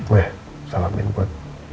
weh salamin buat